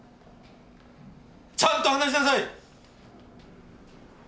ちゃんと話しなさい！